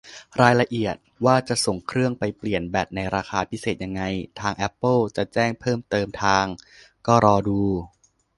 รายละเอียดว่าจะส่งเครื่องไปเปลี่ยนแบตในราคาพิเศษยังไง ทางแอปเปิลจะแจ้งเพิ่มเติมทาง ก็รอดู